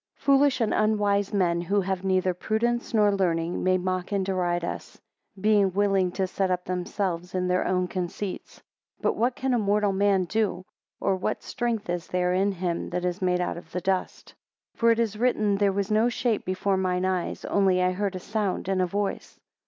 FOOLISH and unwise men, who have neither prudence, nor learning, may mock and deride us; being willing to set up themselves in their own conceits. 2 But what can a mortal man do? Or what strength is there in him that is made out of the dust? 3 For it is written, there was no shape before mine eyes; only I heard a sound and a voice.